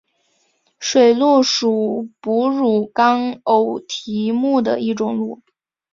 水鹿属哺乳纲偶蹄目的一种鹿。